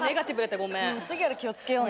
次から気を付けようね。